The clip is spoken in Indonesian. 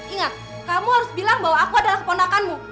ingat kamu harus bilang bahwa aku adalah keponakanmu